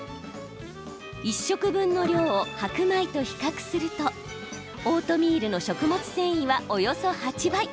１食分の量を白米と比較するとオートミールの食物繊維はおよそ８倍！